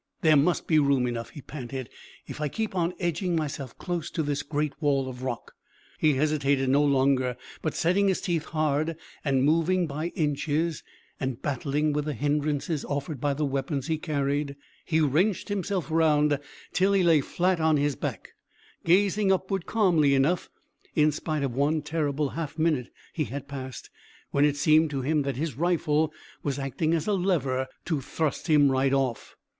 "There must be room enough," he panted, "if I keep on edging myself close to this great wall of rock." He hesitated no longer, but setting his teeth hard and moving by inches, and battling with the hindrances offered by the weapons he carried, he wrenched himself round till he lay flat upon his back, gazing upward calmly enough in spite of one terrible half minute he had passed, when it seemed to him that his rifle was acting as a lever to thrust him right off.